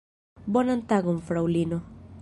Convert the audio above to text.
Bonan tagon, fraŭlino!